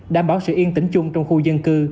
đảm bảo sự yên tĩnh chung trong khu dân cư